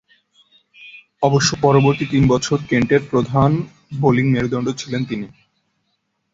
অবশ্য পরবর্তী তিন বছর কেন্টের প্রধান বোলিং মেরুদণ্ড ছিলেন তিনি।